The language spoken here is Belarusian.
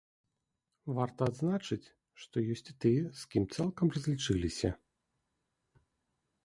Варта адзначыць, што ёсць і тыя, з кім цалкам разлічыліся.